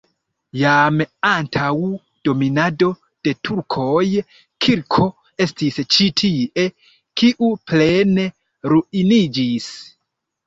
Jam antaŭ dominado de turkoj kirko estis ĉi tie, kiu plene ruiniĝis.